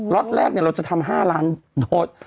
ล็อตแรกเนี่ยเราจะทำ๕ล้านโดด